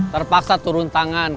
terpaksa turun tangan karena karyawannya